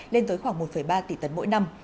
lên tới khoảng một ba tỷ tấn mỗi năm